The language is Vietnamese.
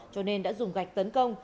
cho nên đã dùng gạch tấn công